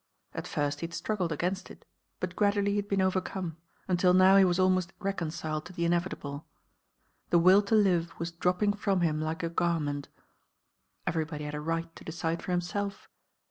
At first he had struggled against it; but gradually he had been overcome, until now he was ahnost reconciled to the inevitable. The will to live V as dropping from him like a garment. Everybody had a right to decide for himself.